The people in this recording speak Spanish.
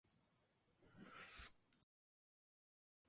Junto al Arq.